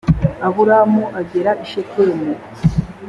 aburamu agera i shekemu